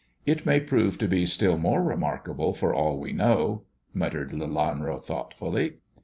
" It may prove to be still more remarkable, for all we know,'* muttered Lelanro thoughtfully.